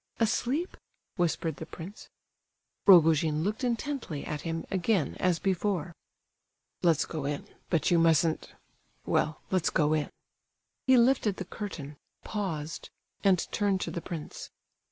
"Asleep?" whispered the prince. Rogojin looked intently at him again, as before. "Let's go in—but you mustn't—well—let's go in." He lifted the curtain, paused—and turned to the prince.